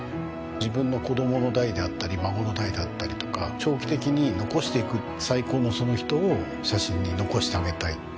自分の子供の代であったり孫の代だったりとか長期的に残していく最高のその人を写真に残してあげたいって